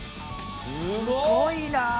すごいなあ！